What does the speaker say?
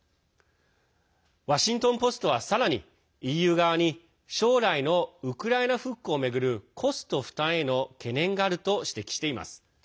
ワシントン・ポストはさらに、ＥＵ側に将来のウクライナ復興を巡るコスト負担への懸念があると指摘しています。